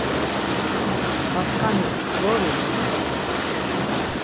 Da skanik ggorui?